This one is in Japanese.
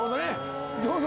どうぞ！